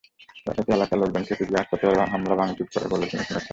এতে এলাকার লোকজন খেপে গিয়ে হাসপাতালে হামলা-ভাঙচুর করে বলে তিনি শুনেছেন।